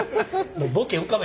ボケ浮かば